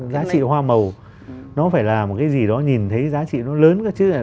giá trị hoa màu nó phải là một cái gì đó nhìn thấy giá trị nó lớn các chứ